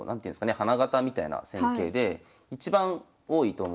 花形みたいな戦型で一番多いと思うんですよ。